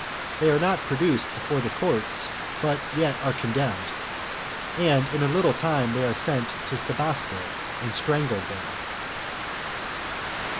They Are Not Produced Before The Courts But Yet Are Condemned; And In A Little Time They Are Sent To Sebaste, And Strangled There.